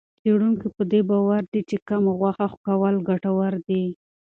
څېړونکي په دې باور دي چې کم غوښه کول ګټور دي.